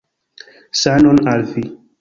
Sanon al vi!